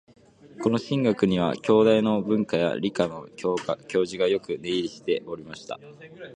この「信楽」には、京大の文科や理科の教授がよく出入りしておりました